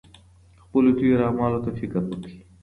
خپلو تېرو اعمالو ته فکر وکړئ.